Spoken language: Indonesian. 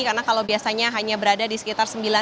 karena kalau biasanya hanya berada di sekitar sembilan